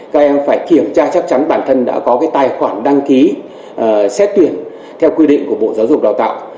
các em phải kiểm tra chắc chắn bản thân đã có cái tài khoản đăng ký xét tuyển theo quy định của bộ giáo dục đào tạo